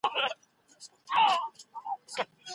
موږ باید په نړۍ کي د فقر پر وړاندي مبارزه وکړو.